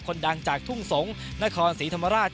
ดังจากทุ่งสงศ์นครศรีธรรมราช